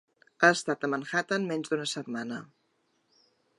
Ha estat a Manhattan menys d'una setmana.